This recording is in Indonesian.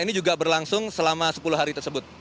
ini juga berlangsung selama sepuluh hari tersebut